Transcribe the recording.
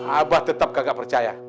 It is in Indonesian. abah tetap kagak percaya